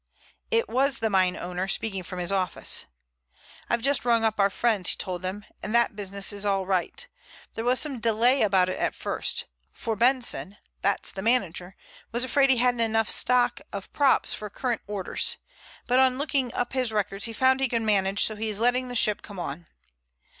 It was the mineowner speaking from his office. "I've just rung up our friends," he told them, "and that business is all right. There was some delay about it at first, for Benson—that's the manager—was afraid he hadn't enough stock of props for current orders. But on looking up his records he found he could manage, so he is letting the ship come on."